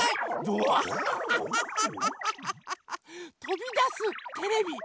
とびだすテレビ。